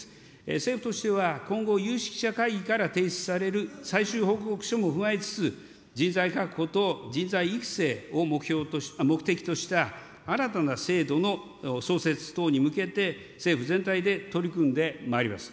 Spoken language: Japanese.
政府としては、今後、有識者会議から提出される最終報告書も踏まえつつ、人材確保と人材育成を目的とした新たな制度の創設等に向けて、政府全体で取り組んでまいります。